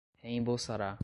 reembolsará